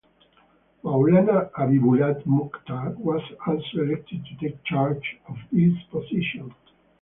Maulana Habibullah Mukhtar was also elected to take charge of this position.